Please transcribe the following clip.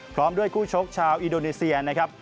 พร้อมด้วยคู่ชกชาวอินโดนีเซียนะครับ